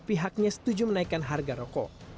pihaknya setuju menaikkan harga rokok